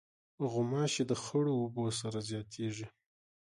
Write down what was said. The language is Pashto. غوماشې د خړو اوبو سره زیاتیږي.